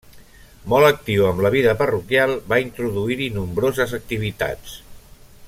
Molt actiu amb la vida parroquial, va introduir-hi nombroses activitats.